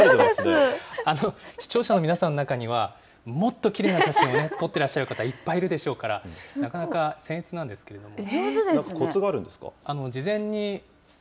視聴者の皆さんの中には、もっときれいな写真を撮ってらっしゃる方、いっぱいいるでしょうから、なかなかせん越なんですけれども。